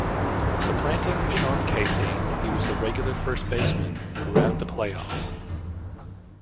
Supplanting Sean Casey, he was the regular first baseman throughout the playoffs.